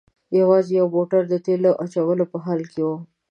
یوازې یو موټر د تیلو اچولو په حال کې و.